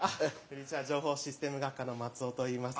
情報システム学科の松尾といいます。